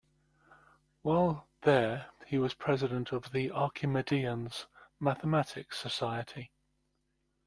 While there he was president of The Archimedeans mathematics society.